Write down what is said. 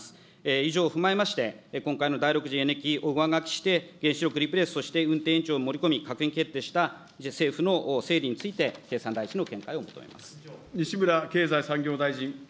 以上を踏まえまして、今回の第６次エネ基を上書きして、原子力リプレースとして運転延長を盛り込み、閣議決定した政府の整備について経産大臣の見解を求めます。